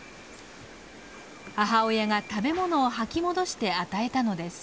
母親が食べ物を吐き戻して与えたのです。